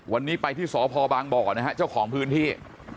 วันนี้ไปที่สพบางบ่อนะฮะเจ้าของพื้นที่